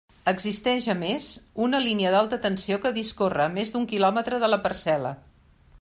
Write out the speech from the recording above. Existeix, a més, una línia d'alta tensió que discorre a més d'un quilòmetre de la parcel·la.